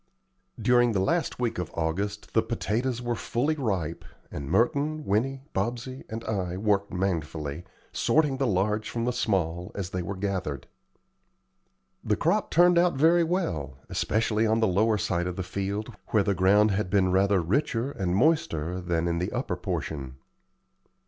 During the last week of August the potatoes were fully ripe, and Merton, Winnie, Bobsey, and I worked manfully, sorting the large from the small, as they were gathered. The crop turned out very well, especially on the lower side of the field, where the ground had been rather richer and moister than in the upper portion.